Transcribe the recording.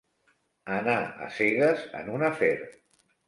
Anar a cegues en un afer.